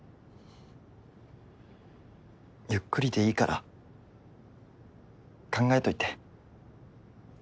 ゆっくりでいいから考えといて。